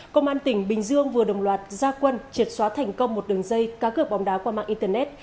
công an tỉnh bình dương vừa đồng loạt gia quân triệt xóa thành công một đường dây cá cựa bóng đá qua mạng internet